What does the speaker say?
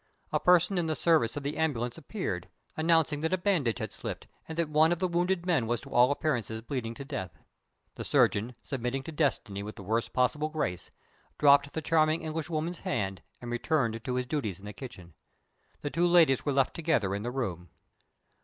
A person in the service of the ambulance appeared, announcing that a bandage had slipped, and that one of the wounded men was to all appearance bleeding to death. The surgeon, submitting to destiny with the worst possible grace, dropped the charming Englishwoman's hand, and returned to his duties in the kitchen. The two ladies were left together in the room.